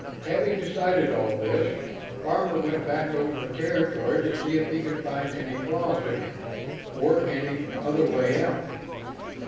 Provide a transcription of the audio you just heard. Having decided all this, Farmer went back over the territory to see if he could find any flaws in it or any other way out.